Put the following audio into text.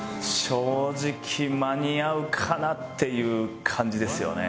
正直間に合うかな？っていう感じですよね。